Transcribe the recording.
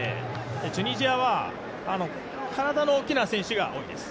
チュニジアは、体の大きな選手が多いです。